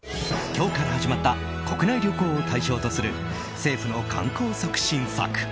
今日から始まった国内旅行を対象とする政府の観光促進策